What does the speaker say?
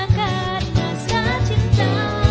karena senang cinta